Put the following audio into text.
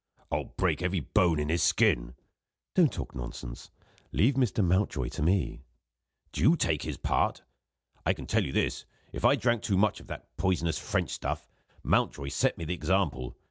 "I'll break every bone in his skin!" "Don't talk nonsense! Leave Mr. Mountjoy to me." "Do you take his part? I can tell you this. If I drank too much of that poisonous French stuff, Mountjoy set me the example.